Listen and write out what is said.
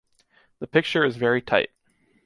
The picture is very tight.